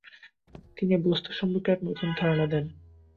তিনি বস্তু সম্পর্কে এক নতুন ধারণা দেন।